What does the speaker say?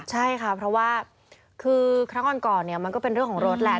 ใช่ค่ะเพราะว่าคือครั้งก่อนเนี่ยมันก็เป็นเรื่องของรถแหละ